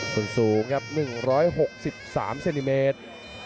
ส่วนสูงครับ๑๖๓เซนติเมตร